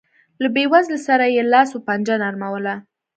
له بېوزلۍ سره یې لاس و پنجه نرموله.